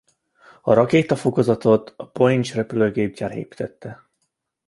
A rakétafokozatot a Boeing repülőgépgyár építette.